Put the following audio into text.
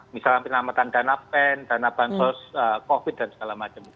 misalnya penyelamatan dana pen dana bantuan sosial covid dan segala macam